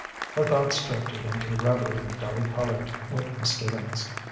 Her thoughts drifted into reverie dully coloured with misgivings.